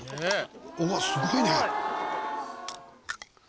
うわすごいね！